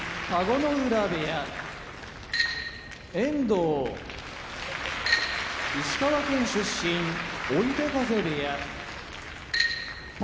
浦部屋遠藤石川県出身追手風部屋宝